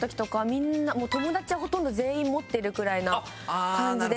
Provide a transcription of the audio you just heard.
友達はほとんど全員持ってるぐらいな感じで。